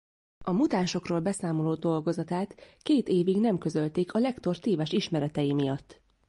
A mutánsokról beszámoló dolgozatát két évig nem közölték a lektor téves ismeretei miatt.